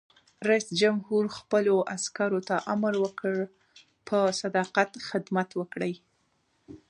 رئیس جمهور خپلو عسکرو ته امر وکړ؛ په صداقت خدمت وکړئ!